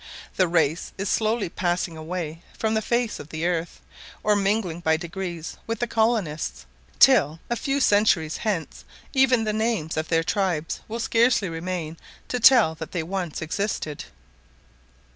The race is slowly passing away from the face of the earth, or mingling by degrees with the colonists, till, a few centuries hence, even the names of their tribes will scarcely remain to tell that they once existed.